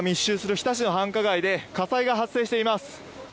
日田市の繁華街で火災が発生しています。